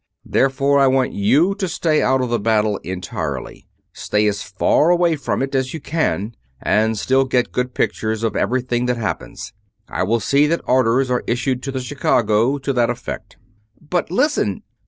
Therefore I want you to stay out of the battle entirely. Stay as far away from it as you can and still get good pictures of everything that happens. I will see that orders are issued to the Chicago to that effect." "But listen...."